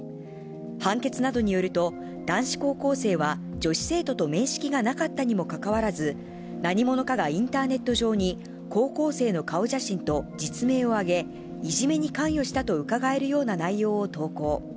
判決などによると、男子高校生は女子生徒と面識がなかったにもかかわらず、何者かがインターネット上に、高校生の顔写真と実名を挙げ、いじめに関与したとうかがえるような内容を投稿。